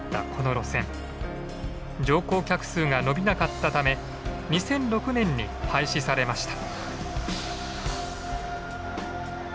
乗降客数が伸びなかったため２００６年に廃止されました。